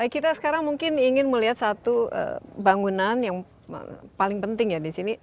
kita sekarang mungkin ingin melihat satu bangunan yang paling penting disini